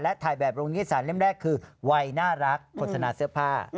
และถ่ายแบบโรงยิสารเล่มแรกคือวัยน่ารักโฆษณาเสื้อผ้า